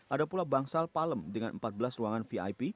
ada pula bangsal palem dengan empat belas ruangan vip